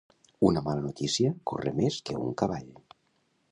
Una mala notícia corre més que un cavall.